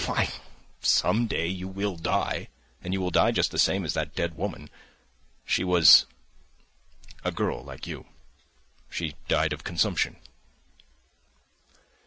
"Why, some day you will die, and you will die just the same as that dead woman. She was ... a girl like you. She died of consumption."